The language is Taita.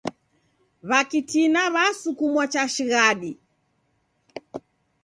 W'akitina w'esukumwa cha shighadi